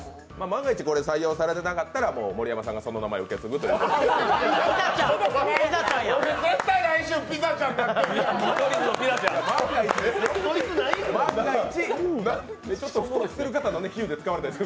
万が一採用されなかったら盛山さんがその名前を受け継ぐということで。